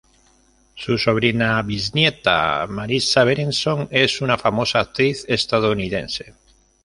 Su sobrina bisnieta, Marisa Berenson, es una famosa actriz estadounidense.